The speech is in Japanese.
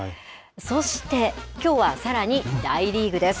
そして、きょうはさらに大リーグです。